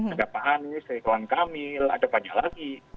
ada pak anies ada pak kamil ada banyak lagi